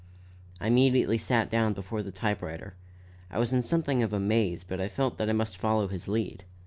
I immediately sat down before the type writer. I was in something of a maze, but felt that I must follow his lead.